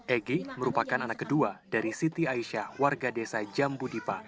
egy merupakan anak kedua dari siti aisyah warga desa jambudipa